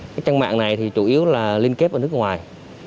các trang mạng này thì chủ yếu là liên kết với nước ngoài